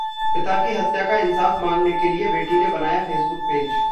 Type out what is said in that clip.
पिता की हत्या का इंसाफ मांगने के लिए बेटी ने बनाया फेसबुक पेज